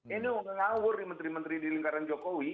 ini mengawur menteri menteri di lingkaran jokowi